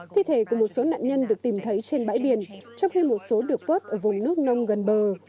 thi thể của một số nạn nhân được tìm thấy trên bãi biển trong khi một số được vớt ở vùng nước nông gần bờ